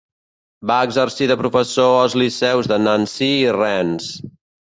Va exercir de professor als liceus de Nancy i Rennes.